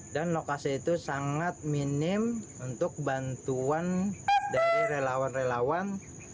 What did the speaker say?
dan lokasi itu sangat minim untuk bantuan dari relawan relawan